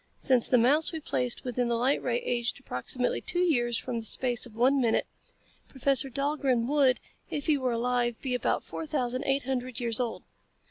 Since the mouse we placed within the light ray aged approximately two years in the space of one minute, Professor Dahlgren would, if he were alive, be about four thousand, eight hundred years old."